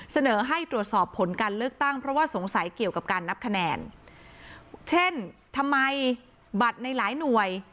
เสนอให้ตรวจสอบผลการเลือกตั้งเพราะว่าสงสัยเกี่ยวกับการนับคะแนนเช่นทำไมบัตรในหลายหน่วย